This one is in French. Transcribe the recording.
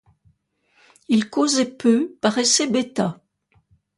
Il causait peu, paraissait bêta.